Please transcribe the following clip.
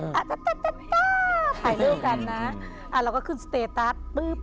ถ่ายเรื่องกันนะเราก็ขึ้นสเตตัส